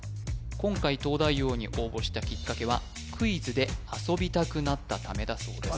今回東大王に応募したきっかけはクイズで遊びたくなったためだそうです